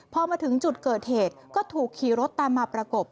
พอมาถึงจุดเกิดเหตุก็ถูกขี่รถตามมาประกบ